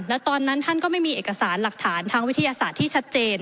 แล้วตอนนั้นท่านก็ไม่มีเอกสารหลักฐานทางวิทยาศาสตร์ที่ชัดเจน